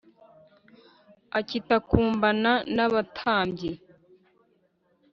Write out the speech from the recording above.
Akitakumbana n' abatambyi